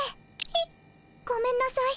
えっ？ごめんなさい。